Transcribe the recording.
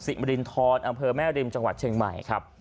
มรินทรอำเภอแม่ริมจังหวัดเชียงใหม่ครับ